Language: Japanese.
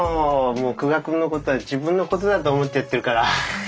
もう久我君のことは自分のことだと思っちゃってるから。